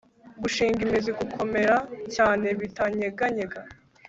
gushinga imizi gukomera cyane bitanyeganyaga